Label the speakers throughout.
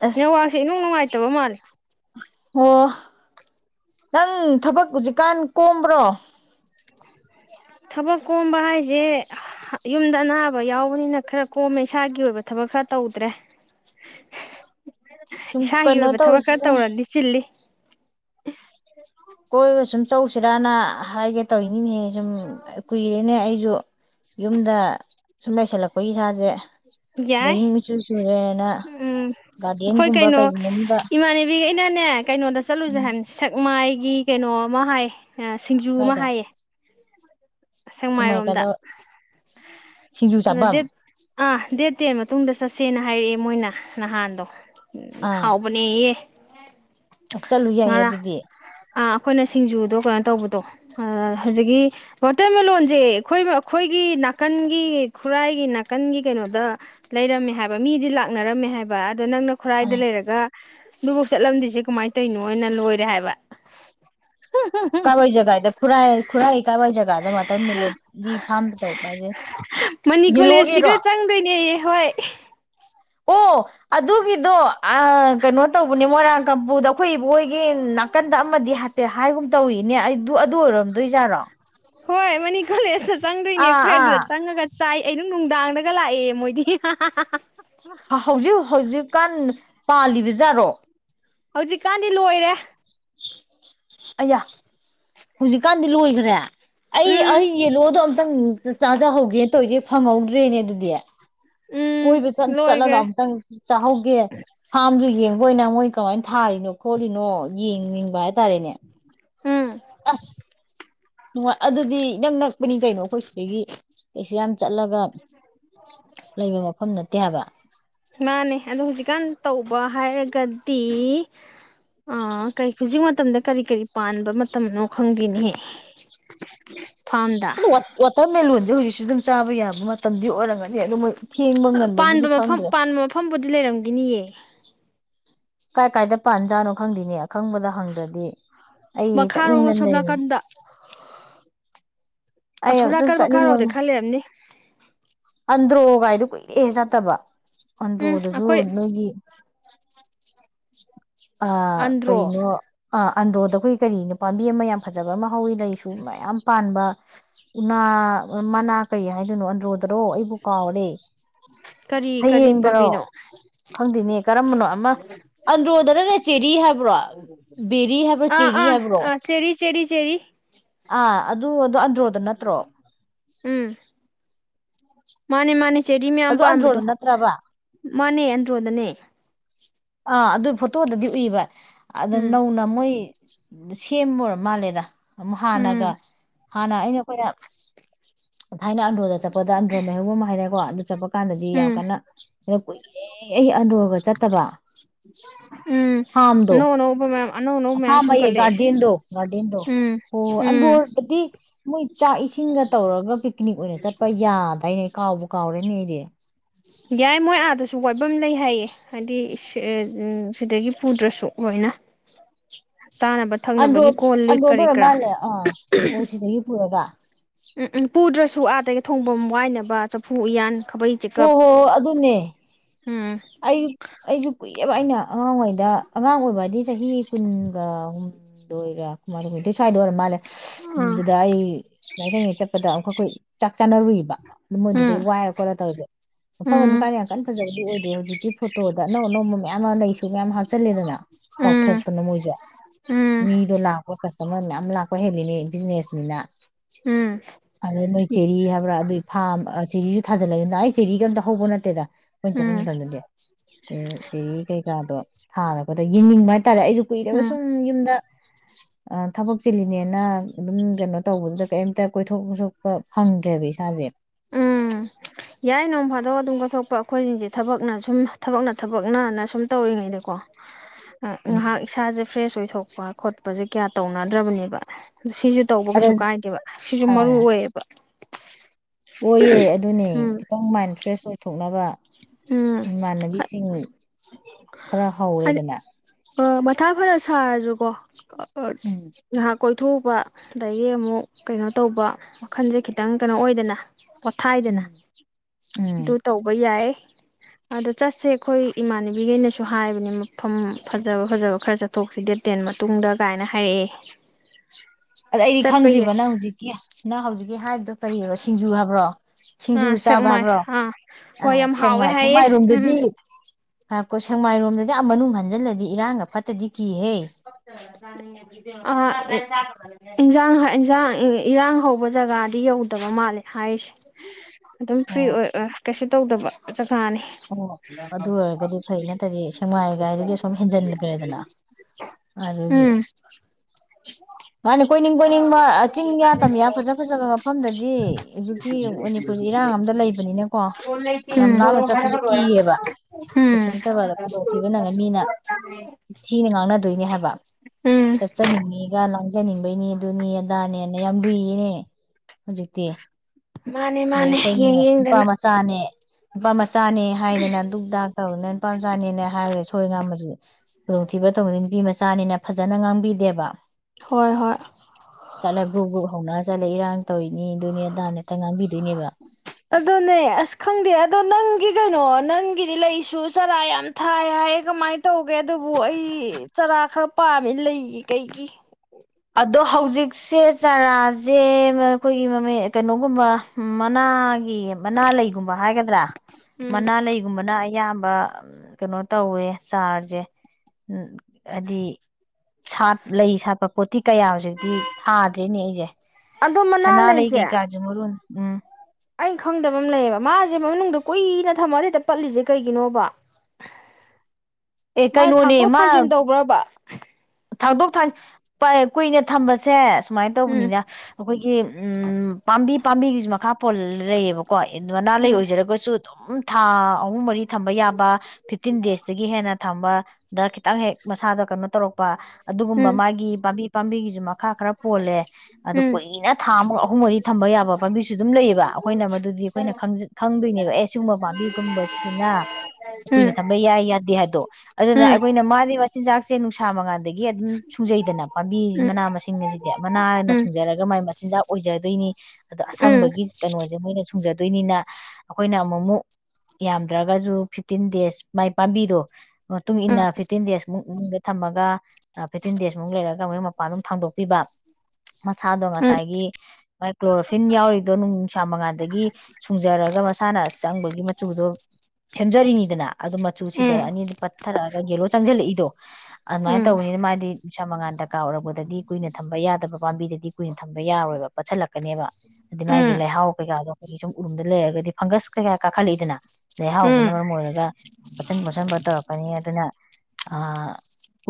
Speaker 1: ꯑꯁ
Speaker 2: ꯅꯦꯋꯥꯛꯁꯦ ꯏꯅꯨꯡ ꯅꯨꯡꯉꯥꯏꯇꯕ ꯃꯥꯜꯂꯦ
Speaker 1: ꯑꯣ ꯅꯪ ꯊꯕꯛ ꯍꯧꯖꯤꯛꯀꯥꯟ ꯀꯣꯝꯕ꯭ꯔꯣ
Speaker 2: ꯊꯕꯛ ꯀꯣꯝꯕ ꯍꯥꯏꯁꯦ ꯌꯨꯝꯗ ꯑꯅꯥꯕ ꯌꯥꯎꯕꯅꯤꯅ ꯈꯔ ꯀꯣꯃꯦ ꯏꯁꯥꯒꯤ ꯑꯣꯏꯕ ꯊꯕꯛ ꯈꯔ ꯇꯧꯗ꯭ꯔꯦ
Speaker 1: ꯁꯨꯝ
Speaker 2: ꯏꯁꯥꯒꯤ
Speaker 1: ꯀꯩꯅꯣ
Speaker 2: ꯑꯣꯏꯕ ꯊꯕꯛ ꯈꯔ
Speaker 1: ꯇꯧꯁꯤꯗ
Speaker 2: ꯇꯧꯔꯗꯤ ꯆꯤꯜꯂꯤ [inaudible]
Speaker 1: ꯀꯣꯏꯕꯁꯨꯝ ꯆꯧꯁꯤꯔꯅ ꯍꯥꯏꯒꯦ ꯇꯧꯔꯤꯅꯤꯅꯦ ꯁꯨꯝ ꯀꯨꯏꯔꯦꯅꯦ ꯑꯩꯁꯨ ꯌꯨꯝꯗ ꯁꯨꯝ ꯂꯩꯁꯜꯂꯛꯄꯒꯤ ꯏꯁꯥꯁꯦ
Speaker 2: ꯌꯥꯏ
Speaker 1: ꯕꯣꯔꯤꯡ ꯃꯆꯨ ꯁꯨꯔꯦꯅ
Speaker 2: ꯎꯝ ꯑꯩꯈꯣꯏ
Speaker 1: ꯒꯥꯔꯗꯦꯟꯒꯨꯝꯕ
Speaker 2: ꯀꯩꯅꯣ
Speaker 1: ꯀꯩꯒꯨꯝꯕ ꯑꯃꯗ
Speaker 2: ꯏꯃꯥꯟꯅꯕꯤꯒ ꯑꯩꯅꯅꯦ
Speaker 1: ꯎꯝ
Speaker 2: ꯒꯤ ꯀꯩꯅꯣ ꯑꯃ ꯍꯥꯏ ꯁꯤꯡꯖꯨ ꯑꯃ
Speaker 1: ꯀꯥꯏꯗ
Speaker 2: ꯍꯥꯏꯌꯦ
Speaker 1: ꯁꯨꯃꯥꯏ
Speaker 2: ꯁꯦꯛꯃꯥꯏꯔꯣꯝꯗ
Speaker 1: ꯀꯥꯏꯗ ꯁꯤꯡꯖꯨ
Speaker 2: ꯑꯗꯣ
Speaker 1: ꯆꯥꯐꯝ
Speaker 2: ꯗꯦꯠ ꯑꯥ ꯗꯦꯠ ꯇꯦꯟ ꯃꯇꯨꯡꯗ ꯆꯠꯁꯦꯅ ꯍꯥꯏꯔꯛꯑꯦ ꯃꯣꯏꯅ ꯅꯍꯥꯟꯗꯣ ꯎꯝ
Speaker 1: ꯑꯥ
Speaker 2: ꯍꯥꯎꯕꯅꯦꯌꯦ
Speaker 1: ꯑꯁ ꯆꯠꯂꯨ ꯌꯥꯏꯌꯦ ꯑꯗꯨꯗꯤ
Speaker 2: ꯑ ꯑꯩꯈꯣꯏꯅ ꯁꯤꯡꯖꯨꯗꯣ ꯀꯩꯅꯣ ꯇꯧꯕꯗꯣ ꯍꯧꯖꯤꯛꯀꯤ ꯋꯥꯇꯔ ꯃꯦꯂꯣꯟꯁꯦ ꯑꯩꯈꯣꯏ ꯑꯩꯈꯣꯏꯒꯤ ꯅꯥꯀꯟꯒꯤ ꯈꯨꯔꯥꯏꯒꯤ ꯅꯥꯀꯟꯒꯤ ꯀꯩꯅꯣꯗ ꯂꯩꯔꯝꯃꯦ ꯍꯥꯏꯕ ꯃꯤꯗꯤ ꯂꯥꯛꯅꯔꯝꯃꯦ ꯍꯥꯏꯕ ꯅꯪꯅ ꯈꯨꯔꯥꯏꯗ
Speaker 1: ꯑꯥ
Speaker 2: ꯂꯩꯔꯒ ꯑꯗꯨꯐꯧ ꯆꯠꯂꯝꯗꯤꯖꯦ ꯀꯃꯥꯏꯅ ꯇꯧꯔꯤꯅꯣꯅ ꯂꯣꯏꯔꯦ ꯍꯥꯏꯕ
Speaker 1: ꯀꯋꯥꯏ ꯖꯒꯗ ꯈꯔ ꯈꯨꯔ ꯀꯋꯥꯏꯖꯒ ꯇꯁꯣꯔꯣ
Speaker 2: ꯃꯅꯤ ꯀꯣꯂꯦꯖꯀꯤꯗꯨꯗ ꯆꯪꯗꯣꯏꯅꯦꯌꯦ ꯍꯣꯏ
Speaker 1: ꯑꯣ ꯑꯗꯨꯒꯤꯗꯣ ꯑ ꯀꯩꯅꯣ ꯇꯧꯕꯅꯤ ꯃꯔꯥꯡ ꯀꯝꯄꯗ ꯑꯩꯈꯣꯏ ꯏꯕꯣꯏꯒꯤ ꯅꯥꯀꯟꯗ ꯑꯃꯗꯤ ꯍꯥꯞꯦ ꯍꯥꯏꯒꯨꯝ ꯇꯧꯏ ꯏꯅꯦ ꯑꯗꯨ ꯑꯗꯨ ꯑꯣꯏꯔꯝꯗꯣꯏꯖꯥꯠꯔꯣ
Speaker 2: ꯍꯣꯏ ꯃꯅꯤ ꯀꯣꯂꯦꯖꯇ ꯆꯪꯗꯣꯏꯅꯦ
Speaker 1: ꯑꯥ
Speaker 2: ꯑꯩꯈꯣꯏ ꯑꯗꯨꯗ
Speaker 1: ꯑꯥ
Speaker 2: ꯆꯪꯉꯒ ꯆꯥꯏ ꯑꯩ ꯑꯗꯨꯝ ꯅꯨꯡꯗꯥꯡꯗꯒ ꯂꯥꯛꯑꯦ ꯃꯣꯏꯗꯤ
Speaker 1: ꯍꯧꯖꯤ ꯍꯧꯖꯤ ꯀꯥꯟ ꯄꯥꯜꯂꯤꯕꯖꯥꯠꯔꯣ
Speaker 2: ꯍꯧꯖꯤꯛꯀꯥꯟꯗꯤ ꯂꯣꯏꯔꯦ
Speaker 1: ꯑꯌꯥ ꯍꯧꯖꯤꯛꯀꯥꯟꯗꯤ ꯂꯣꯏꯈ꯭ꯔ ꯇꯔꯦ ꯑꯩ
Speaker 2: ꯎꯝ
Speaker 1: ꯑꯩ ꯌꯦꯜꯂꯣꯗꯣ ꯑꯝꯇꯪ ꯆꯥꯖꯍꯧꯒꯦ ꯧꯁꯦ ꯐꯪꯍꯧꯗ꯭ꯔꯦꯅꯦ ꯑꯗꯨꯗꯤ
Speaker 2: ꯎꯝ
Speaker 1: ꯀꯣꯏꯕ ꯆꯠꯂꯒ
Speaker 2: ꯂꯣꯏꯈꯔꯦ
Speaker 1: ꯑꯝꯇꯪ ꯆꯥꯍꯧꯒꯦ ꯐꯥꯝꯗꯨ ꯌꯦꯡ ꯃꯣꯏ ꯅ ꯃꯣꯏ ꯀꯃꯥꯏꯅ ꯊꯥꯔꯤꯅꯣ ꯈꯣꯠꯂꯤꯅꯣ ꯌꯦꯡꯅꯤꯡꯕ ꯍꯥꯏꯇꯥꯔꯦꯅꯦ
Speaker 2: ꯎꯝ
Speaker 1: ꯑꯁ ꯅꯨꯡꯉꯥꯏ ꯑꯗꯨꯗꯤ ꯅꯪ ꯅꯛꯄꯅꯤ ꯀꯩꯅꯣ ꯑꯩꯈꯣꯏ ꯁꯤꯗꯒꯤ ꯀꯩꯁꯨ ꯌꯥꯝ ꯆꯠꯂꯒ ꯂꯩꯕ ꯃꯐꯝꯗ ꯠꯇꯕ
Speaker 2: ꯃꯥꯅꯦ ꯑꯣ ꯍꯧꯖꯤꯛꯀꯥꯟ ꯇꯧꯕ ꯍꯥꯏꯔꯒꯗꯤ ꯑ ꯀꯩ ꯍꯧꯖꯤꯛ ꯃꯇꯝꯗ ꯀꯔꯤ ꯀꯔꯤ ꯄꯥꯟꯕ ꯃꯇꯝꯅꯣ ꯈꯪꯗꯦꯅꯦꯍ
Speaker 1: ꯑ ꯑꯣꯠꯇ ꯃꯦꯂ ꯑꯣꯏꯦ ꯏ ꯁꯤ ꯑꯗꯨꯝ ꯆꯥꯕ ꯌꯥꯕ ꯃꯇꯝ ꯑꯣꯏꯔꯛ
Speaker 2: ꯄꯥꯟꯕ ꯃꯐꯝ ꯄꯥꯟꯕ ꯃꯐꯝꯕꯨꯗꯤ ꯂꯩꯔꯝꯒꯅꯤꯌꯦ
Speaker 1: ꯀꯥꯏ ꯀꯥꯏꯗ ꯄꯥꯟꯖꯥꯠꯅꯣ ꯈꯪꯗꯅꯦ ꯈꯪꯕꯗ ꯍꯪꯗ꯭ꯔꯗꯤ ꯑꯩ
Speaker 2: ꯃꯈꯥꯔꯣꯝ
Speaker 1: ꯆꯠꯅꯤꯡꯗꯅ
Speaker 2: ꯑꯁꯣꯝ
Speaker 1: ꯂꯩꯔ
Speaker 2: ꯅꯥꯀꯟꯗ [unintelligible] ꯑꯁꯣꯝ
Speaker 1: ꯁꯨꯝ
Speaker 2: ꯅꯥꯀꯜ ꯄ ꯈꯔꯣꯗꯤ
Speaker 1: ꯆꯠꯅꯤꯡꯕꯅꯦ
Speaker 2: ꯈꯜꯂꯦꯕꯅꯤ
Speaker 1: ꯑꯟ꯭ꯔꯣꯥꯏ ꯑꯗꯨ ꯀꯨꯏꯑꯦ ꯆꯠꯇꯕ
Speaker 2: ꯎꯝ
Speaker 1: ꯑꯟꯗ꯭ꯔꯣꯗꯁꯨ
Speaker 2: ꯑꯩꯈꯣꯏ
Speaker 1: ꯅꯣꯏꯒꯤ ꯑ
Speaker 2: ꯑꯟꯗ꯭ꯔꯣ
Speaker 1: ꯀꯔꯤꯅꯣ ꯑ ꯑꯟꯗ꯭ꯔꯣꯗ ꯑꯩꯈꯣꯏ ꯀꯔꯤ ꯅꯨꯄꯥꯝꯕꯤ ꯑꯃ ꯌꯥꯝ ꯐꯖꯕ ꯑꯃ ꯍꯥꯎꯤ ꯂꯩꯁꯨ ꯃꯌꯥꯝ ꯄꯥꯟꯕ ꯎꯅꯥ ꯃꯅꯥ ꯀꯩ ꯍꯥꯏꯗꯣꯏꯅꯣ ꯔꯨꯗ꯭ꯔꯣ ꯑꯩꯕꯨ ꯀꯥꯎ ꯂꯩꯦ
Speaker 2: ꯀꯔꯤ
Speaker 1: [unintelligible]
Speaker 2: ꯀꯔꯤ
Speaker 1: ꯍꯌꯦꯡꯗꯔꯣ
Speaker 2: ꯄꯥꯝꯕꯤꯅꯣ
Speaker 1: ꯈꯪꯗꯅꯦ ꯀꯔꯝꯕꯅꯣ ꯑꯃ ꯑꯟꯗ꯭ꯔꯣꯗ ꯅꯦ ꯆꯦꯔꯤ ꯍꯥꯏꯕ꯭ꯔꯣ ꯕꯦꯔꯤ ꯍꯥꯏꯕ꯭ꯔꯣ
Speaker 2: ꯑꯥ
Speaker 1: ꯆꯦꯔꯤ
Speaker 2: ꯑꯥ
Speaker 1: ꯍꯥꯏꯕ꯭ꯔꯣ
Speaker 2: ꯑꯥ ꯆꯦꯔꯤ ꯆꯦꯔꯤ ꯆꯦꯔꯤ
Speaker 1: ꯑꯥ ꯑꯗꯨ ꯑꯗꯣ ꯑꯟꯗ꯭ꯔꯣꯗ ꯅꯠꯇ꯭ꯔꯣ
Speaker 2: ꯎꯝ ꯃꯥꯅꯦ ꯃꯥꯅꯤ ꯆꯦꯔꯤ ꯃꯌꯥꯝ
Speaker 1: ꯑꯗꯨ
Speaker 2: ꯄꯥꯝꯕꯗꯣ
Speaker 1: ꯑꯟꯗ꯭ꯔꯣꯗ ꯅꯠꯇ꯭ꯔꯕ
Speaker 2: ꯃꯥꯅꯦ ꯣꯗꯅꯦ
Speaker 1: ꯑ ꯑꯗꯨ ꯐꯣꯇꯣꯗꯗꯤ ꯎꯏꯕ ꯑꯗ
Speaker 2: ꯎꯝ
Speaker 1: ꯅꯧꯅ ꯃꯣꯏ ꯁꯦꯝꯃꯨꯔ ꯃꯥꯜꯂꯦꯗ ꯑꯃꯨꯛ
Speaker 2: ꯎꯝ
Speaker 1: ꯍꯥꯟꯅꯒ ꯍꯥꯟꯅ ꯑꯩꯅ ꯑꯩꯈꯣꯏꯅ ꯊꯥꯏꯅ ꯑꯟꯗꯣꯗ ꯆꯠꯄꯗ ꯑꯟꯗ꯭ꯔꯣ ꯃꯩꯧ ꯑꯃ ꯍꯥꯏꯔꯄ ꯑꯗꯨ ꯆꯠꯄ ꯀꯥꯟꯗꯗꯤ ꯌꯥꯝ
Speaker 2: ꯎꯝ
Speaker 1: ꯀꯟꯅ ꯍꯗ ꯀꯨꯏꯦ ꯑꯩ ꯑꯟꯗ꯭ꯔꯒ ꯆꯠꯇꯕ
Speaker 2: ꯎ
Speaker 1: ꯐꯥꯝꯗꯣ
Speaker 2: ꯑꯅꯧꯕ ꯃꯌꯥꯝ
Speaker 1: ꯐꯥꯝ ꯑꯩꯌꯦ
Speaker 2: ꯁꯦꯝꯒꯠꯂꯛꯑꯦ
Speaker 1: ꯒꯥꯔꯗꯦꯟꯗꯣ ꯒꯥꯔꯗꯦꯟꯗꯣ
Speaker 2: ꯎꯝ
Speaker 1: ꯍꯣ
Speaker 2: ꯎꯝ
Speaker 1: ꯑꯟꯗꯣꯔꯗꯗꯤ ꯃꯣꯏ ꯆꯥꯛ ꯏꯁꯤꯡꯒ ꯇꯧꯔꯒ ꯄꯤꯛꯅꯤꯛ ꯑꯣꯏꯅ ꯆꯠꯄ ꯌꯥꯗꯥꯏꯅꯦ ꯀꯥꯎꯕ ꯀꯥꯎꯔꯦ ꯅꯔ
Speaker 2: ꯌꯥꯏ ꯃꯣꯏ ꯑꯥꯗꯁꯨ ꯋꯥꯏꯐꯝ ꯂꯩ ꯍꯥꯏꯌꯦ ꯍꯥꯏꯗꯤ ꯎ ꯁꯤꯗꯒꯤ ꯄꯨꯗ꯭ꯔꯁꯨ ꯂꯣꯏꯅ ꯆꯥꯅꯕ
Speaker 1: ꯑꯟꯗ꯭ꯔꯣ
Speaker 2: ꯊꯛꯅꯕꯒꯤ ꯀꯣꯜ ꯂꯤꯛ
Speaker 1: ꯑꯟꯗ꯭ꯔꯣꯗ
Speaker 2: ꯀꯔꯤ
Speaker 1: ꯑꯣꯏꯔ
Speaker 2: ꯀꯔꯥ
Speaker 1: ꯃꯥꯜꯂꯦ ꯑꯥ ꯑꯣ ꯁꯤꯗꯒꯤ ꯄꯨꯔꯒ
Speaker 2: ꯎꯝ ꯎꯝ ꯄꯨꯗ꯭ꯔꯁꯨ ꯑꯥꯗꯒꯤ ꯊꯣꯡꯐꯝ ꯋꯥꯏꯅꯕ ꯆꯐꯨ ꯎꯌꯥꯟ ꯈꯕꯩ
Speaker 1: ꯍꯣ
Speaker 2: ꯆꯦꯀꯞ
Speaker 1: ꯍꯣ ꯍꯣ ꯑꯗꯨꯅꯦ
Speaker 2: ꯎꯝ
Speaker 1: ꯑꯩ ꯑꯩꯁꯨ ꯀꯨꯏꯑꯦꯕ ꯑꯩꯅ ꯑꯉꯥꯡꯉꯩꯗ ꯑꯉꯥꯡ ꯑꯣꯏꯕ ꯍꯥꯏꯗꯤ ꯆꯍꯤ ꯀꯨꯟꯒ ꯗ ꯑꯣꯏꯔ ꯁ꯭ꯋꯥꯏꯗ ꯑꯣꯏꯔ ꯃꯥꯜꯂꯦ
Speaker 2: ꯎꯝ
Speaker 1: ꯑꯗꯨꯗ ꯑꯩ ꯂꯥꯏ ꯊꯪꯉꯩ ꯆꯠꯄꯗ ꯑꯃꯨꯛ ꯑꯩꯈꯣꯏ ꯆꯠꯅꯔꯨꯏꯕ ꯑꯗꯨ ꯃꯣꯏꯗꯨꯗꯩ
Speaker 2: ꯎꯝ
Speaker 1: ꯋꯥꯏꯔ ꯈꯣꯠꯂ ꯇꯧꯔꯗꯦ ꯃꯐꯝ ꯑꯗꯨ
Speaker 2: ꯎꯝ
Speaker 1: ꯀꯥꯟꯗ ꯌꯥꯝ ꯀꯟꯅ ꯐꯖꯕꯗꯤ ꯑꯣꯏꯗ꯭ꯔꯦ ꯍꯧ ꯍꯧꯖꯤꯛꯇꯤ ꯐꯣꯇꯣꯗ ꯑꯅꯧ ꯑꯅꯧꯕ ꯃꯌꯥꯝ ꯑꯃ ꯂꯩꯁꯨ ꯃꯌꯥꯝ ꯍꯥꯞꯆꯤꯜꯂꯦꯗꯅ
Speaker 2: ꯎꯝ
Speaker 1: ꯆꯥꯎꯊꯣꯛꯇꯅ ꯃꯣꯏꯁꯨ
Speaker 2: ꯎꯝ
Speaker 1: ꯃꯤꯗꯣ ꯂꯥꯛꯄ ꯀꯁꯇꯃꯔ ꯃꯌꯥꯝ ꯂꯥꯛꯄ ꯍꯦꯜꯂꯤꯅꯦ ꯕꯤꯖꯤꯅꯦꯁ ꯅ
Speaker 2: ꯎꯝ
Speaker 1: ꯑꯗ ꯃꯣꯏ ꯆꯦꯔꯤ ꯍꯥꯏꯕ꯭ꯔꯥ ꯑꯗꯨꯏ ꯐꯥꯝ ꯆꯦꯔꯤꯁꯨ ꯊꯥꯖꯜꯂꯕꯅꯤꯅ ꯑꯩ ꯆꯦꯔꯤꯒ ꯑꯝꯇ ꯍꯧꯕ ꯅꯠꯇꯦꯗ ꯈꯣꯏ ꯆꯠꯄ
Speaker 2: ꯎꯝ
Speaker 1: ꯃꯇꯝꯗꯗꯤꯦ ꯇꯦꯔꯤ ꯀꯩ ꯀꯥꯗꯣ ꯊꯥꯅꯕꯗ ꯌꯦꯡꯅꯤꯡꯕ ꯍꯥꯏ ꯇꯥꯔꯦ ꯑꯩꯁꯨ ꯀꯨꯏꯗꯕ
Speaker 2: ꯎꯝ
Speaker 1: ꯁꯨꯝ ꯌꯨꯝꯗ ꯑ ꯊꯕꯛ ꯆꯤꯜꯂꯤꯅꯦꯅ ꯑꯗꯨꯝ ꯀꯩꯅꯣ ꯇꯧꯕꯗꯨꯗ ꯀꯩꯝꯇꯣꯏ ꯁꯣꯛ ꯑ ꯁꯣꯛꯄ ꯐꯪꯗ꯭ꯔꯦꯕ ꯏꯁꯥꯁꯦ
Speaker 2: ꯎꯝ ꯌꯥꯏ ꯅꯣꯡ ꯐꯥꯗꯣꯛ ꯑꯗꯨꯝ ꯀꯠꯊꯣꯛꯄ ꯑꯩꯈꯣꯏꯁꯤꯡꯁꯦ ꯊꯕꯛꯅ ꯁꯨꯝ ꯊꯕꯛꯅ ꯊꯕꯛꯅꯅ ꯁꯨꯝ ꯇꯧꯔꯤꯉꯩꯗꯀꯣ ꯉꯥꯏꯍꯥꯛ ꯏꯁꯥꯁꯦ ꯐ꯭ꯔꯦꯁ ꯑꯣꯏꯊꯣꯛ ꯊꯣꯛꯛꯄ ꯈꯣꯠꯄꯁꯦ ꯀꯌꯥ ꯇꯧꯅꯗ꯭ꯔꯕꯅꯦꯕ ꯑ ꯁꯤꯁꯨ ꯇꯧꯕ
Speaker 1: ꯑꯗ
Speaker 2: ꯀꯩꯁꯨ ꯀꯥꯏꯗꯦꯕ ꯁꯤꯁꯨ ꯃꯔꯨ
Speaker 1: ꯑꯥ
Speaker 2: ꯑꯣꯏꯌꯦꯕ
Speaker 1: ꯑꯩꯌꯦ ꯑꯗꯨꯅꯦ
Speaker 2: ꯎꯝ
Speaker 1: ꯈꯤꯇꯪ ꯃꯥꯏꯟ ꯐ꯭ꯔꯦꯁ ꯑꯣꯏꯊꯣꯛꯅꯕ
Speaker 2: ꯎꯝ
Speaker 1: ꯏꯃꯥꯟꯅꯕꯤꯁꯤꯡ ꯈꯔ ꯍꯧꯔꯦꯗꯅ
Speaker 2: ꯑ ꯃꯊꯥ ꯐꯖ ꯁꯥꯔꯁꯨꯀꯣ
Speaker 1: ꯎꯝ
Speaker 2: ꯃꯍꯥꯛ ꯀꯣꯏꯊꯣꯛꯄ ꯑꯗꯒꯤ ꯑꯃꯨꯛ ꯀꯩꯅꯣ ꯇꯧꯕ ꯋꯥꯜꯁꯦ ꯈꯤꯇꯪ ꯀꯩꯅꯣ ꯑꯣꯏꯗꯅ ꯄꯣꯊꯥꯏꯗꯅ
Speaker 1: ꯎꯝ ꯎꯝ
Speaker 2: ꯑꯗꯨ ꯇꯧꯕ ꯌꯥꯏ ꯑꯗꯣ ꯆꯠꯁꯦ ꯑꯩꯈꯣꯏ ꯏꯃꯥꯟꯅꯕꯤꯈꯩꯅꯁꯨ ꯍꯥꯏꯕꯅꯦ ꯃꯐꯝ ꯐꯖꯕ ꯐꯖꯕ ꯈꯔ ꯆꯠꯊꯣꯛꯁꯤ ꯗꯦꯠ ꯇꯦꯟ ꯃꯇꯨꯡꯗ ꯀꯥꯏꯅ ꯍꯥꯏꯔꯛꯑꯦ
Speaker 1: ꯑꯗ ꯑꯩꯗꯤ
Speaker 2: ꯆꯠꯄ ꯌꯥꯏ
Speaker 1: ꯈꯪꯗ꯭ꯔꯤꯕ ꯅꯪ ꯍꯧꯖꯤꯛꯀꯤ ꯅꯪ ꯍꯧꯖꯤꯛꯀꯤ ꯍꯥꯏꯕꯗꯨꯣ ꯀꯔꯤꯑꯕ ꯁꯤꯡꯖꯨ ꯍꯥꯏꯕ꯭ꯔꯣ ꯁꯤꯡꯖꯨ
Speaker 2: ꯑꯥ
Speaker 1: ꯆꯥꯕ
Speaker 2: ꯁꯦꯛꯃꯥꯏ
Speaker 1: ꯍꯥꯏꯕ꯭ꯔꯣ
Speaker 2: ꯑꯥ
Speaker 1: ꯑ
Speaker 2: ꯍꯣꯏ ꯌꯥꯝ ꯍꯥꯎꯋꯦ
Speaker 1: ꯁꯦꯡꯃꯥꯏ
Speaker 2: ꯍꯥꯏꯌꯦ ꯎꯝ
Speaker 1: ꯁꯦꯡꯃꯥꯏꯔꯣꯝꯗꯗꯤ ꯀꯣ ꯁꯦꯡꯃꯥꯏꯔꯣꯝꯗꯗꯤ ꯌꯥꯝ ꯃꯅꯨꯡ ꯍꯟꯖꯤꯜꯂꯗꯤ ꯏꯔꯥꯡꯒ ꯐꯠꯇꯗꯤ ꯀꯍꯦ
Speaker 2: ꯏꯟꯁꯥꯡ ꯏꯟꯁꯥꯡ ꯏꯔꯥꯡ ꯍꯧꯕ ꯖꯒꯥꯗꯤ ꯌꯧꯗꯕ ꯃꯥꯜꯂꯦ ꯍꯥꯏꯔꯤꯁꯦ ꯑꯗꯨꯝ ꯐ꯭ꯔꯤ
Speaker 1: ꯑꯣ
Speaker 2: ꯑꯣꯏ ꯀꯩ ꯇꯧꯗꯕ ꯁꯅ
Speaker 1: ꯑꯣ ꯑꯗꯨ ꯑꯣꯏꯔꯒꯗꯤ ꯐꯩ ꯅꯠꯇ꯭ꯔꯗꯤ ꯁꯦꯛꯃꯥꯏꯒꯥꯏꯗꯨꯗꯤ ꯁꯨꯝ ꯍꯦꯟꯖꯤꯟꯈ꯭ꯔꯦꯗꯅ ꯑꯗꯨꯒꯤ
Speaker 2: ꯎꯝ
Speaker 1: ꯃꯥꯅꯦ ꯀꯣꯏꯅꯤꯡ ꯀꯣꯏꯅꯤꯡꯕ ꯆꯤꯡꯌꯥ ꯇꯝꯌꯥ ꯐꯖ ꯐꯖꯕ ꯃꯐꯝꯗꯗꯤ ꯍꯧꯖꯤꯛꯇꯤ ꯃꯅꯤꯄꯨꯔꯁꯦ ꯏꯔꯥꯡ ꯑꯝꯗ ꯂꯩꯕꯅꯤꯅꯀꯣ ꯌꯥꯝ
Speaker 2: ꯎꯝ
Speaker 1: ꯂꯥꯞꯅ ꯆꯠꯄꯁꯨ ꯀꯤꯌꯦꯕ
Speaker 2: ꯎꯝ
Speaker 1: ꯀꯩꯁꯨ ꯅꯠꯇꯕ ꯈꯨꯗꯣꯡꯊꯤꯕ ꯅꯪꯉ ꯃꯤꯅ ꯊꯤꯅ ꯉꯥꯡꯅꯗ ꯑꯗꯨꯏꯅꯦ ꯍꯥꯏꯕ
Speaker 2: ꯎꯝ
Speaker 1: ꯆꯠꯆꯅꯤꯡꯉꯤ ꯒ ꯂꯥꯡꯖꯅꯤꯡꯕꯩꯅꯤ ꯑꯗꯨꯅꯤ ꯑꯗꯥꯅꯦꯅ ꯌꯥꯝ ꯂꯨꯏꯅꯦ ꯍꯧꯖꯤꯛꯇꯤ
Speaker 2: ꯃꯥꯅꯦ
Speaker 1: ꯑꯗꯩ
Speaker 2: ꯃꯥꯅꯦ
Speaker 1: ꯑꯩꯈꯣꯏꯅꯦ
Speaker 2: ꯌꯦꯡ
Speaker 1: ꯅꯨꯄꯥ
Speaker 2: ꯌꯦꯡꯗꯅ
Speaker 1: ꯃꯆꯥꯅꯦ ꯅꯨꯄꯥ ꯃ ꯆꯥꯅꯦ ꯍꯥꯏꯗꯅ ꯗꯨꯛ ꯗꯥꯛ ꯇꯧꯗꯅ ꯅꯨꯄꯥ ꯃꯆꯥꯅꯦꯅ ꯍꯥꯏꯔꯒ ꯁꯣꯏ ꯉꯝꯕꯗꯨ ꯈꯨꯗꯣꯡꯊꯤꯕ ꯇꯧꯕ ꯅꯨꯄꯤ ꯃꯆꯥ ꯃꯆꯥꯅꯤꯅ ꯐꯖꯅ ꯉꯥꯡꯕꯤꯗꯦꯕ
Speaker 2: ꯍꯣꯏ ꯍꯣꯏ
Speaker 1: ꯆꯅ ꯒꯨꯞ ꯍꯧꯎꯅꯥ ꯆꯂ ꯏꯔꯥꯡ ꯇꯧꯏꯅꯤ ꯑꯗꯨꯅꯦ ꯑꯗꯥꯅ ꯍꯦꯛꯇ ꯉꯥꯡꯕꯤꯗꯣꯏꯅꯦꯕ
Speaker 2: ꯑꯗꯨꯅꯦ ꯑꯁ ꯈꯪꯗꯦ ꯑꯗꯣ ꯅꯪꯒꯤ ꯀꯩꯅꯣ ꯅꯪꯒꯤꯗꯤ ꯂꯩꯁꯨ ꯆꯔꯥ ꯌꯥꯝ ꯊꯥꯏ ꯍꯥꯏꯌꯦ ꯀꯃꯥꯏꯅ ꯇꯧꯒꯦ ꯑꯗꯨꯕꯨ ꯑꯩ ꯆꯔꯥ ꯈꯔ ꯄꯥꯝꯃꯤ ꯂꯩꯒꯤ ꯀꯩꯒꯤ
Speaker 1: ꯑꯗꯣ ꯍꯧꯖꯤꯛ ꯁꯦꯖꯔꯥꯖ ꯖꯦ ꯑꯩꯈꯣꯏꯒꯤ ꯃ ꯀꯩꯅꯣꯒꯨꯝꯕ ꯃꯅꯥ ꯃꯅꯥ ꯂꯩꯒꯨꯝꯕ ꯍꯥꯏꯒꯗ꯭ꯔꯥ
Speaker 2: ꯎꯝ
Speaker 1: ꯃꯅꯥ ꯂꯩꯒꯨꯝꯕꯅ ꯑꯌꯥꯝꯕ ꯀꯩꯅꯣ ꯇꯧꯋꯦ ꯆꯔꯁꯦ ꯎ ꯍꯥꯏꯗꯤ ꯁꯥꯠ ꯂꯩ ꯁꯥꯠꯄ ꯇꯇꯤ ꯀꯌꯥ ꯍꯧꯖꯤꯛꯇꯤ ꯊꯥꯗ꯭ꯔꯤꯅꯦ ꯑꯩꯁꯦ
Speaker 2: ꯑꯗꯣ ꯃꯅꯥ
Speaker 1: ꯁꯅꯥ ꯂꯩ ꯀꯩꯀꯥꯖꯃꯔꯟ ꯎꯝ
Speaker 2: ꯑꯩ ꯈꯪꯗꯕ ꯑꯃ ꯂꯩꯌꯦꯕ ꯃꯥꯁꯦ ꯃꯅꯨꯡꯗ ꯀꯨꯏꯅ ꯊꯝꯃ ꯍꯦꯛꯇ ꯄꯠꯂꯤꯁꯦ ꯀꯩꯒꯤꯅꯣꯕ
Speaker 1: ꯑꯦ
Speaker 2: ꯃꯥꯥꯏ
Speaker 1: ꯀꯩꯅꯣꯅꯦ
Speaker 2: ꯊꯥꯡꯇꯣꯛ
Speaker 1: ꯃꯥ
Speaker 2: ꯊꯥꯡꯖꯤꯟ ꯇꯧꯕ꯭ꯔꯕ
Speaker 1: ꯊꯥꯡꯗꯣꯛ ꯊ ꯀꯨꯏꯅ ꯊꯝꯕꯁꯦ ꯁꯨꯃꯥꯏꯅ
Speaker 2: ꯎꯝ
Speaker 1: ꯇꯧꯕꯅꯤꯅ ꯑꯩꯈꯣꯏꯒꯤ ꯎ ꯄꯥꯝꯕꯤ ꯄꯥꯝꯕꯤꯒꯤꯁꯨ ꯃꯈꯥ ꯄꯣꯜꯂ ꯂꯩꯕꯣ ꯀꯣ ꯃꯅꯥ ꯂꯩ
Speaker 2: ꯎꯝ
Speaker 1: ꯑꯣꯏꯖꯔꯒꯁꯨ ꯑꯗꯨꯝ ꯊꯥ ꯑꯍꯨꯝ ꯃꯔꯤ ꯊꯝꯕ ꯌꯥꯕ ꯐꯤꯐꯇꯤꯟ ꯗꯦꯖꯇꯒꯤ ꯍꯦꯟꯅ ꯊꯝꯕ ꯗ ꯈꯤꯇꯪ ꯍꯦꯛ ꯃꯁꯥꯗ ꯀꯩꯅꯣ ꯇꯧꯔꯛꯄ ꯄ ꯑꯗꯨꯒꯨꯝꯕ
Speaker 2: ꯎꯝ
Speaker 1: ꯃꯥꯒꯤ ꯄꯥꯝꯕꯤ ꯄꯥꯥꯝꯕꯤꯒꯤꯁꯨ ꯃꯥ ꯃꯈꯥ ꯈꯔ ꯄꯣꯜꯂꯦ ꯑꯗꯨ
Speaker 2: ꯎꯝ
Speaker 1: ꯀꯨꯏꯅ ꯊꯥ ꯑꯃ ꯑꯍꯨꯝ ꯃꯔꯤ ꯊꯝꯕ ꯌꯥꯕ ꯄꯥꯝꯕꯤꯁꯨ ꯑꯗꯨꯝ ꯂꯩꯌꯦꯕ ꯑꯩꯈꯣꯏꯅ ꯃꯗꯨꯗꯤ ꯑꯩꯈꯣꯏꯅ ꯈꯪꯗꯣꯏꯅꯦꯕ ꯑꯦ ꯁꯤꯒꯨꯝꯕ ꯄꯥꯝꯕꯤꯒꯨꯝꯕꯁꯤꯅ ꯀꯨꯏꯅ
Speaker 2: ꯎꯝ
Speaker 1: ꯊꯝꯕ ꯌꯥꯏ ꯌꯥꯗꯦ ꯍꯥꯏ ꯑꯗꯨꯅ ꯑꯩꯈꯣꯏꯅ ꯃꯥꯒꯤ ꯃꯆꯤꯟꯖꯥꯛꯁꯦ ꯅꯨꯡꯁꯥ ꯁꯥ ꯃꯉꯥꯟꯗꯒꯤ ꯑꯗꯨꯝ ꯁꯨꯡꯖꯩꯗꯅ ꯄꯥꯝꯕꯤ
Speaker 2: ꯎꯝ
Speaker 1: ꯃꯅꯥ ꯃꯁꯤꯡ ꯑꯁꯤꯗꯤ ꯃꯅꯥꯅ
Speaker 2: ꯎꯝ
Speaker 1: ꯁꯨꯡꯖꯔꯒ ꯃꯥꯏ ꯃꯆꯤꯟꯖꯥꯛ ꯑꯣꯏꯖꯗꯣꯏꯅꯤ ꯑꯗꯣ
Speaker 2: ꯎꯝ
Speaker 1: ꯑꯁꯪꯕꯒꯤ ꯀꯩꯅꯣꯁꯦ ꯃꯣꯏꯅ ꯁꯨꯡꯖꯗꯣꯏꯅꯤꯅ ꯑꯩꯈꯣꯏꯅ ꯑꯃꯨꯛꯃꯨꯛ ꯌꯥꯝꯗ꯭ꯔꯒꯁꯨ ꯐꯤꯐꯇꯤꯟ ꯗꯦꯖ ꯃꯥꯏ ꯄꯥꯝꯕꯤꯗꯣ ꯃꯇꯨꯡ ꯏꯟꯅ ꯐꯤꯞꯇꯤꯟ ꯗꯦꯖ ꯎꯝ ꯎꯝ ꯊꯝꯃꯒ ꯐꯤꯞꯇꯤꯟ ꯗꯦꯖꯃꯨꯛ ꯂꯩꯔꯒ ꯃꯣꯏ ꯃꯄꯥꯟ ꯑꯗꯨꯝ ꯊꯥꯡꯗꯣꯛꯄꯤꯕ ꯃꯁꯥꯗꯣ ꯉꯁꯥꯏꯒꯤ ꯃꯥꯏ ꯀ꯭ꯂꯣꯔꯣꯐꯤꯟ ꯌꯥꯎꯔꯤꯗꯣ ꯅꯨꯡ ꯅꯨꯡꯁꯥ ꯃꯉꯥꯜꯗꯒꯤ ꯁꯨꯡꯖꯔꯒ ꯃꯁꯥꯅ ꯆꯪꯕꯒꯤ ꯃꯆꯨꯗꯣ ꯁꯦꯝꯖꯔꯤꯅꯤꯗꯅ ꯑꯗꯨ ꯃꯆꯨ
Speaker 2: ꯎꯝ ꯎꯝ ꯎꯝ
Speaker 1: ꯁꯤꯗꯔꯛꯑꯅꯤ ꯄꯠꯊꯔꯛꯑꯒ ꯌꯦꯂꯣ ꯆꯪꯁꯤꯜꯂꯛꯏꯗꯣ ꯑꯗꯨꯃꯥꯏꯅ
Speaker 2: ꯎꯝ ꯎꯝ
Speaker 1: ꯇꯧꯕꯅꯤꯅ ꯃꯥꯗꯤ ꯅꯨꯡꯁꯥ ꯃꯉꯥꯥꯟ ꯗꯀꯥꯔꯛꯄꯗꯤ ꯀꯨꯏꯅ ꯊꯝ ꯊꯝꯕ ꯌꯥꯗꯕ ꯄꯥꯝꯕꯤꯗꯗꯤ ꯀꯨꯏꯅ ꯊꯝꯕ ꯌꯥꯔꯣꯏꯕ ꯄꯠꯁꯜꯂꯛꯀꯅꯦꯕ ꯑꯗꯤ ꯃꯥꯒꯤ ꯂꯩꯍꯥꯎ ꯀꯩꯀꯥꯗꯣ ꯑꯗꯒꯤꯒꯤ ꯁꯨꯝ ꯎꯔꯨꯝꯗ ꯂꯩꯔꯒꯗꯤ ꯐꯪꯒꯁ ꯀꯩ ꯀꯌꯥ ꯀꯥꯈꯠꯂꯛꯏꯗꯅ ꯂꯩꯍꯥꯎꯗꯨꯅ ꯃꯔꯝ ꯑꯣꯏꯔꯒ ꯃꯆꯟ ꯃ ꯑꯆꯝꯕ ꯇꯧꯔꯛꯀꯅꯤ ꯑꯗꯨꯅ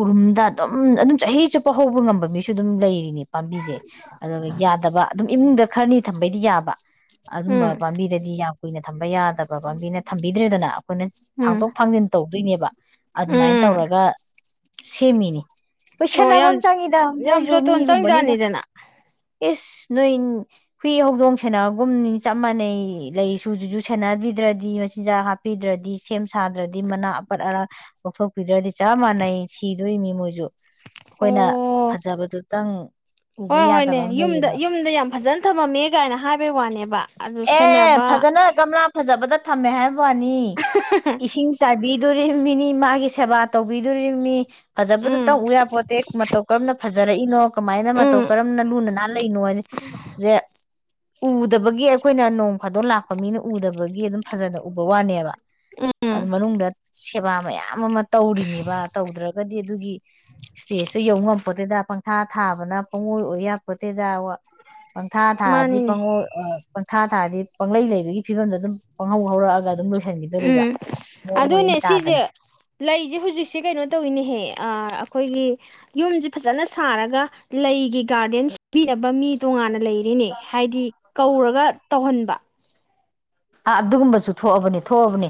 Speaker 1: ꯎꯔꯨꯝꯗ ꯑꯗꯨꯝ ꯑꯗꯨꯝ ꯆꯍꯤ ꯆꯨꯞꯄ ꯍꯧꯕ ꯉꯝꯕ ꯃꯤꯁꯨ ꯑꯗꯨꯝ ꯂꯩꯔꯤꯅꯦ ꯄꯥꯝꯕꯤꯁꯦ ꯑꯗꯨꯒ ꯌꯥꯗꯕ ꯑꯗꯨꯝ ꯏꯃꯨꯡꯗ ꯈꯔꯅꯤ ꯊꯝꯕꯩꯗꯤ ꯌꯥꯕ
Speaker 2: ꯎꯝ
Speaker 1: ꯑꯗꯨꯝꯕ
Speaker 2: ꯎꯝ
Speaker 1: ꯄꯥꯝꯕꯤꯗꯗꯤ ꯌꯥꯝ ꯀꯨꯏꯅ ꯊꯝꯕ ꯌꯥꯗꯕ ꯄꯥꯝꯕꯤꯅ ꯊꯝꯕꯤꯗ꯭ꯔꯦꯗꯅ ꯑꯩꯈꯣꯏꯅ
Speaker 2: ꯎꯝ
Speaker 1: ꯊꯥꯡꯗꯣꯛ ꯊꯥꯡꯖꯤꯟ ꯇꯧꯗꯣꯏꯅꯦꯕ ꯑꯗꯨꯃꯥꯏꯅ
Speaker 2: ꯎꯝ
Speaker 1: ꯇꯧꯔꯒ ꯁꯦꯝꯃꯤꯅꯤ
Speaker 2: ꯑꯣ
Speaker 1: ꯄꯩꯁꯟꯅꯕ
Speaker 2: ꯌꯥꯝ
Speaker 1: ꯑꯃ ꯆꯪꯉꯤꯗ
Speaker 2: ꯌꯥꯝ
Speaker 1: ꯃꯣꯏꯁꯨ
Speaker 2: ꯖꯣꯇꯣꯟ
Speaker 1: ꯃꯤꯒꯨꯝꯕꯅꯤꯗ
Speaker 2: ꯆꯪꯖꯥꯠꯅꯤꯗꯅ
Speaker 1: ꯏꯁ ꯅꯣꯏ ꯍꯨꯏ ꯍꯧꯗꯣꯡ ꯁꯦꯟꯅꯕꯒꯨꯝꯅꯤ ꯆꯞ ꯃꯥꯟꯅꯩ ꯂꯩꯁꯨꯨꯖꯨꯁꯨꯨ ꯁꯦꯟꯅꯕꯤꯗ꯭ꯔꯗꯤ ꯃꯆꯤꯟꯖꯥꯛ ꯍꯥꯞꯄꯤꯗ꯭ꯔꯗꯤ ꯁꯦꯝ ꯁꯥꯗ꯭ꯔꯗꯤ ꯃꯅꯥ ꯑꯄꯠ ꯑꯔ ꯂꯧꯣꯛꯊꯣꯛꯄꯤꯗ꯭ꯔꯗꯤ ꯆꯞ ꯃꯥꯟꯅꯩ ꯁꯤꯗꯣꯏꯅꯤ ꯃꯣꯏꯁꯨ ꯑꯩꯈꯣꯏꯅ
Speaker 2: ꯑꯣ
Speaker 1: ꯐꯖꯕꯗꯨꯇꯪ ꯎꯕ
Speaker 2: ꯍꯣꯏ ꯍꯣꯏꯅꯦ
Speaker 1: ꯌꯥꯗꯕ ꯑꯃ
Speaker 2: ꯌꯨꯝꯗ
Speaker 1: ꯂꯩꯌꯦꯕ
Speaker 2: ꯌꯨꯝꯗ ꯌꯥꯝ ꯐꯖꯅ ꯊꯝꯃꯝꯃꯦ ꯀꯥꯏꯅ ꯍꯥꯏꯕꯩ ꯋꯥꯅꯦꯕ ꯑꯗꯨ
Speaker 1: ꯑꯦ
Speaker 2: ꯁꯦꯟꯅꯕ
Speaker 1: ꯐꯖꯅ ꯒꯝꯂꯥ ꯐꯖꯕꯗ ꯊꯝꯃꯦ ꯍꯥꯏꯦ ꯄꯅꯤ ꯏꯁꯤꯡ ꯆꯥꯏꯕꯤ ꯑꯗꯨꯣꯔꯤꯕ ꯃꯤꯅꯤ ꯃꯥꯒꯤ ꯁꯦꯕꯥ ꯇꯧꯕꯤꯗꯣꯔꯤꯕꯅꯤ ꯐꯖꯕꯗꯨ
Speaker 2: ꯎꯝ
Speaker 1: ꯇꯧꯎ ꯌꯥ ꯄꯣꯠꯇꯦ ꯃꯇꯧ ꯀꯔꯝꯅ ꯐꯖꯔꯛꯏꯅꯣ ꯀꯃꯥꯏꯅ ꯃꯇꯧ
Speaker 2: ꯎꯝ
Speaker 1: ꯀꯔꯝꯅ ꯂꯨꯅ ꯅꯥꯟꯅ ꯂꯩꯅꯣꯁꯦ ꯎꯗꯕꯒꯤ ꯑꯩꯈꯣꯏꯅ ꯅꯣꯡ ꯐꯥꯗꯣꯛ ꯂꯥꯛꯄ ꯃꯤꯅ ꯎꯗꯕꯒꯤ ꯑꯗꯨꯝ ꯐꯖꯅ ꯎꯕ ꯋꯥꯅꯦꯕ
Speaker 2: ꯎꯝ
Speaker 1: ꯑꯗꯨ ꯃꯅꯨꯡꯗ ꯁꯦꯕꯥ ꯃꯌꯥꯝ ꯑꯃ ꯇꯧꯔꯤꯅꯦꯕ ꯇꯧꯗ꯭ꯔꯒ ꯑꯗꯨꯒꯤ ꯏꯁꯇꯦꯖ ꯌ ꯉ ꯦꯗ ꯄꯪꯈꯥ ꯊꯥꯕꯅ ꯄꯪꯉꯣꯏ ꯑꯣꯏ ꯌꯥꯛꯄꯣ ꯇꯦꯗ ꯄꯪꯊꯥ ꯊꯥꯔꯗꯤ
Speaker 2: ꯃꯥꯅꯤꯅꯦ
Speaker 1: ꯄꯪꯉ ꯄꯪꯊꯥ ꯊꯥꯔꯗꯤ ꯄꯪꯂꯩ ꯂꯩꯕꯒꯤ ꯐꯤꯕꯝꯗ ꯑꯗꯨꯝ ꯄꯪꯍꯧ ꯍꯧꯔꯛꯑꯒ ꯑꯗꯨꯝ ꯂꯣꯏꯁꯤꯟꯈꯤꯗꯣꯔꯤꯕ
Speaker 2: ꯎꯝ
Speaker 1: ꯃꯑꯣꯡ
Speaker 2: ꯑꯗꯨꯅꯦ
Speaker 1: ꯃꯔꯤꯟ ꯇꯥꯗꯅ
Speaker 2: ꯁꯤꯁꯦ ꯂꯩꯁꯦ ꯍꯧꯖꯤꯛꯁꯦ ꯀꯩꯅꯣ ꯇꯧꯋꯅꯦꯍꯦ ꯑꯩꯈꯣꯏꯒꯤ ꯌꯨꯝꯁꯤꯦ ꯐꯖꯅ ꯁꯥꯔꯒ ꯂꯩꯒꯤ ꯒꯥꯔꯗꯦꯟ ꯁꯤꯕꯤꯅꯕ ꯃꯤ ꯇꯣꯉꯥꯟꯅ ꯂꯩꯔꯤꯅꯦ ꯍꯥꯏꯗꯤ ꯀꯧꯔꯒ ꯇꯧꯍꯟꯕ
Speaker 1: ꯑꯥ ꯑꯗꯨꯒꯨꯝꯕꯁꯨ ꯊꯣꯛꯑꯕꯅꯤ ꯊꯣꯛꯑꯕꯅꯤ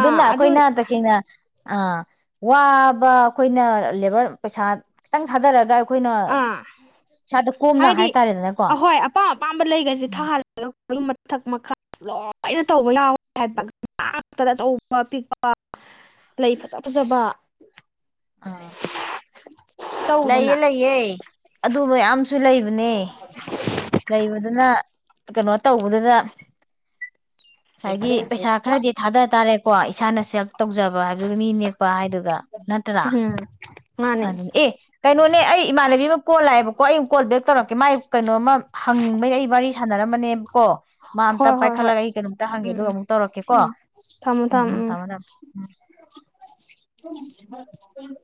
Speaker 2: ꯑꯥ ꯑꯗꯨ
Speaker 1: ꯑꯩꯈꯣꯏꯅ ꯇꯁꯦꯡꯅ ꯑꯥ ꯋꯥꯕ ꯑꯩꯈꯣꯏꯅ ꯂꯦꯕꯔ ꯄꯩꯁꯥ ꯈꯤꯇꯪ ꯊꯥꯗꯔꯒ ꯑꯩꯈꯣꯏꯅ
Speaker 2: ꯑꯥ
Speaker 1: ꯏꯁꯥꯗ ꯀꯣꯝꯅ
Speaker 2: ꯍꯥꯏꯗꯤ
Speaker 1: ꯍꯥꯏꯇꯥꯔꯦꯗꯅꯀꯣ
Speaker 2: ꯑꯍꯣꯏ ꯑꯄꯥꯝ ꯑꯄꯥꯝꯕ ꯂꯩꯒꯁꯦ ꯊꯥꯍꯜꯂ ꯂꯧ ꯑꯗꯨ ꯃꯊꯛ ꯃꯈꯥ ꯂꯣꯏꯅ ꯇꯧꯕ ꯌꯥꯎꯋꯦ ꯍꯥꯏꯕꯇꯗ ꯑꯆꯧꯕ ꯑꯄꯤꯛꯄ ꯂꯩ ꯐꯖ ꯐꯖꯕ
Speaker 1: ꯑꯥ
Speaker 2: ꯇꯧꯗꯅ
Speaker 1: ꯍꯦ ꯑꯗꯨ ꯃꯌꯥꯝꯁꯨ ꯂꯩꯕꯅꯦ ꯂꯩꯕꯗꯨꯅ ꯀꯩꯅꯣ ꯇꯧꯕꯗꯨꯗ ꯉꯁꯥꯏꯒꯤ ꯄꯩꯁꯥ ꯈꯔꯗꯤ ꯊꯥꯗ ꯇꯥꯔꯦꯀꯣ ꯏꯁꯥꯅ ꯁꯦꯜꯞ ꯇꯧꯖꯕ ꯍꯥꯏꯕꯗꯨꯒ ꯃꯤ ꯅꯦꯛꯄ ꯍꯥꯏꯗꯨꯒ ꯅꯠꯇ꯭ꯔꯥ
Speaker 2: ꯎꯝ ꯃꯥꯅꯦ
Speaker 1: ꯑꯗꯨꯅ ꯑꯦ ꯀꯩꯅꯣꯅꯦ ꯑꯩ ꯏꯃꯥꯟꯅꯕꯤ ꯑꯃ ꯀꯣꯜ ꯂꯥꯛꯑꯦꯕꯀꯣ ꯑꯩ ꯀꯣꯜ ꯕꯦꯛ ꯇꯧꯔꯛꯀꯦ ꯃꯥꯥꯏ ꯀꯩꯅꯣꯃ ꯍꯪꯅꯤꯡꯕꯩ ꯑꯩ ꯋꯥꯔꯤ ꯁꯥꯟꯅꯔꯝꯕꯅꯦꯕ ꯀꯣ ꯃꯥ ꯑꯝꯇ
Speaker 2: ꯍꯣꯏ ꯍꯣꯏ ꯍꯣꯏ
Speaker 1: ꯄꯥꯏꯈꯠꯂꯒ ꯑꯩ ꯀꯩꯅꯣꯝꯇ ꯍꯪꯒꯦ
Speaker 2: ꯎꯝ
Speaker 1: ꯑꯗꯨꯒ
Speaker 2: ꯎꯝ
Speaker 1: ꯑꯃꯨꯛ ꯇꯧꯔꯛꯀꯦꯀꯣ
Speaker 2: ꯎꯝ
Speaker 1: ꯎꯝ ꯎꯝ ꯊꯝꯃꯣ ꯊꯝꯃꯣ ꯎꯝ
Speaker 2: ꯎ